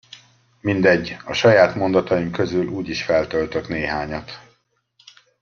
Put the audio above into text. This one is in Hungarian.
Mindegy, a saját mondataim közül úgyis feltöltök néhányat.